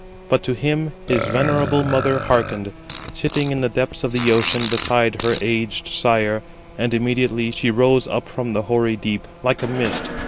But to him his venerable mother hearkened, sitting in the depths of the ocean beside her aged sire. And immediately she rose up from the hoary deep, like a mist.